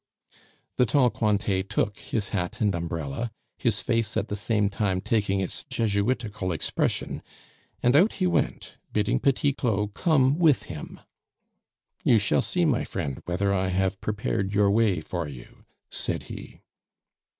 The tall Cointet took his hat and umbrella, his face at the same time taking its Jesuitical expression, and out he went, bidding Petit Claud come with him. "You shall see, my friend, whether I have prepared your way for you," said he.